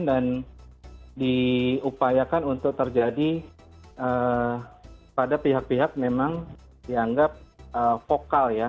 dan diupayakan untuk terjadi pada pihak pihak memang dianggap vokal